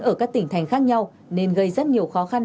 ở các tỉnh thành khác nhau nên gây rất nhiều khó khăn